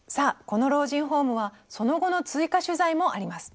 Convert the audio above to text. この老人ホームはその後の追加取材もあります。